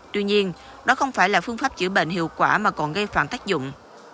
tuy nhiên đó không phải là phương pháp chữa bệnh hiệu quả mà còn gây phản tác dụng